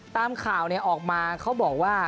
ตามข่าวออกมาเขาบอกว่า